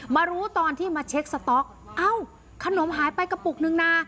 มารู้ตอนที่มาเช็คสต๊อกเอ้าขนมหายไปกระปุกนึงนะ